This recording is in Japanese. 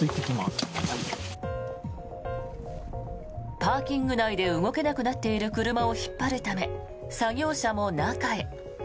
パーキング内で動けなくなっている車を引っ張るため作業車も中へ。